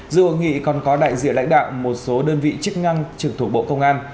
dự hội nghị còn có đại diện lãnh đạo một số đơn vị chức năng trực thuộc bộ công an